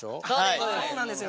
そうなんですよ。